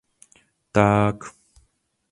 Ták.